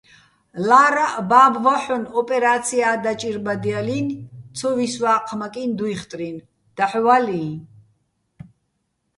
ლა́რაჸ ბა́ბო̆ ვაჰ̦ონ ოპერა́ცია დაჭირბადჲალინი̆, ცო ვისვა́ჴმაკიჼ დუჲხტრინ, დაჰ̦ ვალიჼ.